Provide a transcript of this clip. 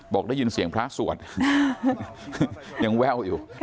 บอกได้ยินเสียงพระสวดยังแว่วอยู่